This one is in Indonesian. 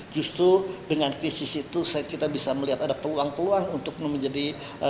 justru dengan krisis itu kita bisa melihat ada peluang peluang untuk menjadi